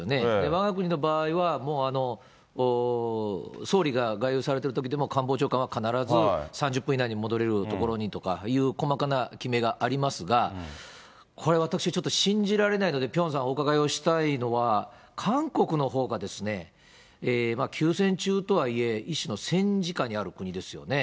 わが国の場合は、もう、総理が外遊されてるときでも、官房長官は必ず３０分以内に戻れる所にとか、細かな決めがありますが、これ、私、ちょっと信じられないので、ピョンさん、お伺いをしたいのは、韓国のほうが休戦中とはいえ、一種の戦時下にある国ですよね。